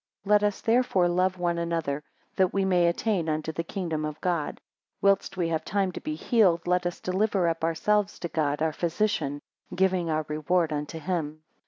3 Let us, therefore, love one another, that we may attain unto the kingdom of God. Whilst we have time to be healed, let us deliver up ourselves to God our physician, giving our reward unto him.